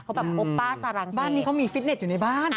เขาแบบโอป้าสารังบ้านนี้เขามีฟิตเน็ตอยู่ในบ้าน